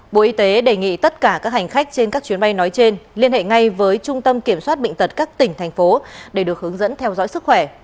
bộ y tế đề nghị tất cả các hành khách trên các chuyến bay nói trên liên hệ ngay với trung tâm kiểm soát bệnh tật các tỉnh thành phố để được hướng dẫn theo dõi sức khỏe